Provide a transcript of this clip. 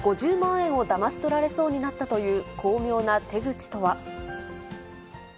５０万円をだまし取られそうになったという巧妙な手口とは。